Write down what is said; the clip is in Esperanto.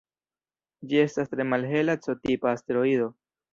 Ĝi estas tre malhela C-tipa asteroido.